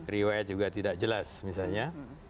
riwayat juga tidak jelas misalnya